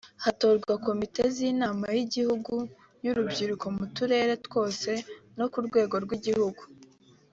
hatora Komite z’Inama y’igihugu y’Urubyiruko mu turere twose no ku rwego rw’igihugu